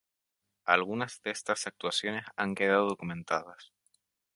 Algunas de estas actuaciones han quedado documentadas.